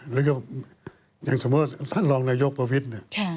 หรืออย่างสมมติว่าท่านรองนายกประวิทย์